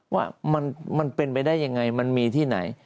ว่ามันเป็นไปได้ยังไงมันมีที่ไหน